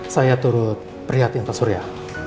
saya turut prihatin pak surya